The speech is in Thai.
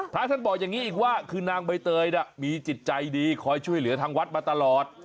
พระท่านบอกอย่างนี้อีกว่าคือนางใบเตยมีจิตใจดีคอยช่วยเหลือทางวัดมาตลอด